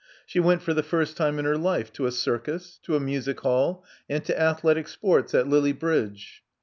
She went for the first time in her life to a circus, to a music hall, and to athletic sports at Lillie Bridge.